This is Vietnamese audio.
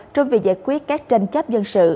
trong việc giải quyết các tranh chấp dân sự